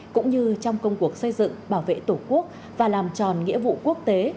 cũng như trong công cuộc xây dựng bảo vệ tổ quốc và làm tròn nghĩa vụ quốc tế